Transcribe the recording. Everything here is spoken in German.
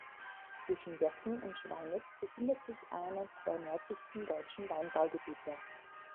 Zwischen Jessen und Schweinitz befindet sich eines der nördlichsten deutschen Weinbaugebiete.